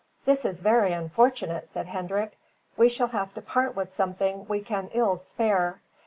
"This is very unfortunate," said Hendrik. "We shall have to part with something we can ill spare.